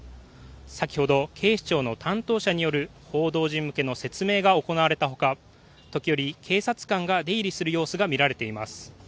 先ほど、警視庁の担当者による報道陣向けの説明が行われた他時折、警察官が出入りする様子が見られています。